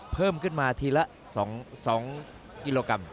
เพิ่มขึ้นมาทีละ๒กิโลกรัม